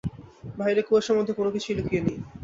বাহিরে কুয়াশার মধ্যে কোনো কিছুই লুকিয়ে নেই!